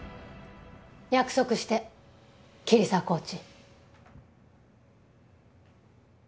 約束して桐沢コーチ。